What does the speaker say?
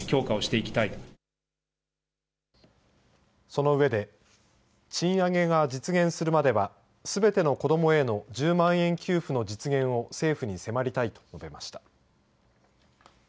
その上で賃上げが実現するまではすべての子どもへの１０万円給付の実現を政府に迫りたいと述べました。